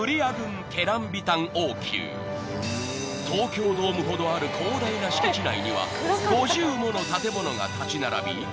［東京ドームほどある広大な敷地内には５０もの建物が立ち並び